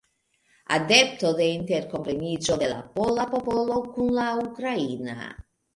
Adepto de interkompreniĝo de la pola popolo kun la ukraina.